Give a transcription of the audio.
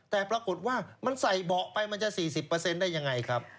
แต่ปรากฏว่ามันใส่เบาะไปมันจะ๔๐ได้ยังไงครับ